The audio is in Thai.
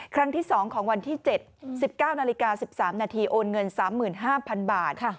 ครั้งที่๒ของวันที่๗๑๙นาฬิกา๑๓นาทีโอนเงิน๓๕๐๐๐บาท